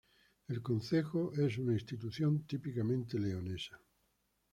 El concejo es una institución típicamente leonesa.